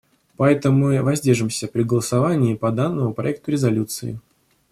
Поэтому мы воздержимся при голосовании по данному проекту резолюции.